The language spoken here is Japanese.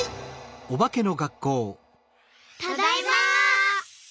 ただいま！